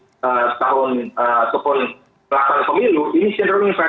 dan itu saya pikir terus terus terus harus gimana upaya pemerintah untuk bekerja